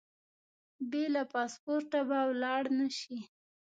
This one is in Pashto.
بې له پاسپورټه به ولاړ نه شې.